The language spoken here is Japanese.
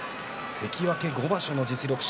関脇５場所の実力者